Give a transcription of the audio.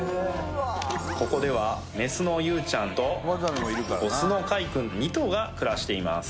ここではメスの遊ちゃんとオスの海くん２頭が暮らしています